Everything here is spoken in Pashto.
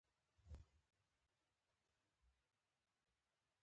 روژه د عبادتونو موسم دی.